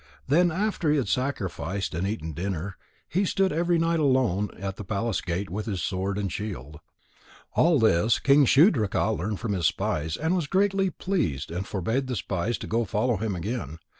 Then after he had sacrificed and eaten dinner, he stood every night alone at the palace gate with his sword and shield. All this King Shudraka learned from his spies and was greatly pleased and forbad the spies to follow him again.